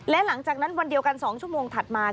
และหลังจากนั้นวันเดียวกัน๒ชั่วโมงถัดมา